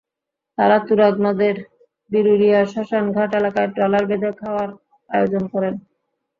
তাঁরা তুরাগ নদের বিরুলিয়া শ্মশানঘাট এলাকায় ট্রলার বেঁধে খাওয়ার আয়োজন করেন।